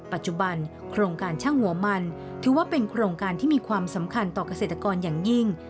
ปัจจุบันโครงการช่างหัวมันถือว่าเป็นโครงการที่มีความสำคัญต่อเกษตรกรอย่างยิ่ง